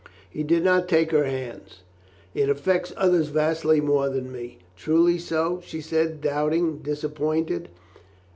He did not take her hands. "It affects others vastly more than me." "Truly so?" she said, doubting, disappointed.